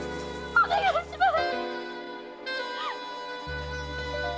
お願いします！